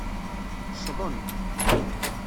Ccḍen.